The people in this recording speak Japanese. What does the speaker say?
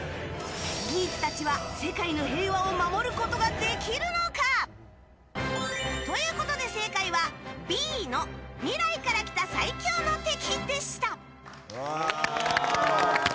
ギーツたちは、世界の平和を守ることができるのか？ということで正解は、Ｂの未来から来た最強の敵でした。